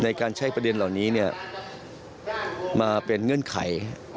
ในการใช้ประเด็นเหล่านี้มาเป็นเงื่อนไข